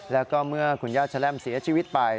แล้วก็เมื่อคุณย่าแชล่มเสียชีวิตไป